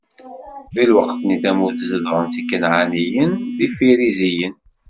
Di lweqt-nni, tamurt zedɣen- tt Ikanɛaniyen d Ifiriziyen.